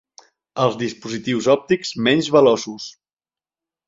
Els dispositius òptics menys veloços.